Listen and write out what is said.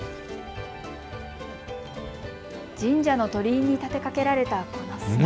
神社の鳥居に立てかけられたこの姿。